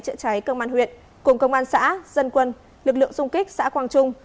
chữa cháy công an huyện cùng công an xã dân quân lực lượng xung kích xã quang trung